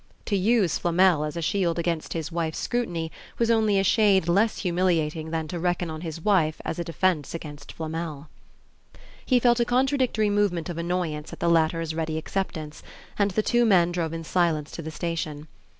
To use Flamel as a shield against his wife's scrutiny was only a shade less humiliating than to reckon on his wife as a defence against Flamel. He felt a contradictory movement of annoyance at the latter's ready acceptance, and the two men drove in silence to the station.